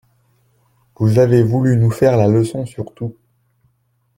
Vous avez voulu nous faire la leçon sur tout.